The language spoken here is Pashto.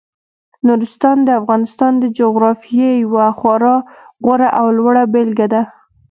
نورستان د افغانستان د جغرافیې یوه خورا غوره او لوړه بېلګه ده.